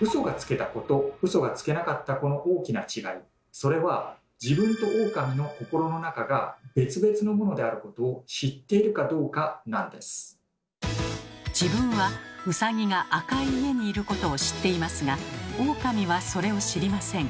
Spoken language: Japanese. それは自分はウサギが赤い家にいることを知っていますがオオカミはそれを知りません。